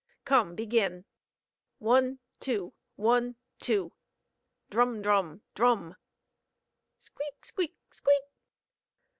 Come, begin! One, two, one, two!" Drum! drum!! drum!!! Squeak! squeak!! squeak!!!